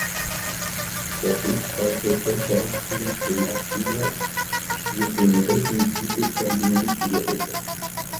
Der österreichische Schauspieler Thomas Schubert spielt den neu hinzugekommenen Erik.